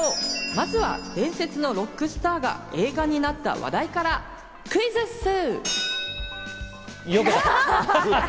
まずは伝説のロックスターが映画になった話題からクイズッス！